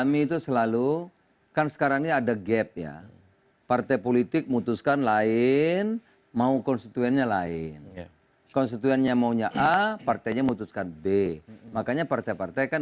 beberapa partai politik dalam koalisi pemerintahan